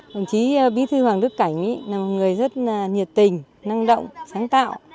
đồng chí bí thư hoàng đức cảnh là một người rất nhiệt tình năng động sáng tạo